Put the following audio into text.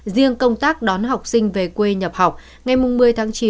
riêng công tác đón học sinh về quê nhập học ngày một mươi tháng chín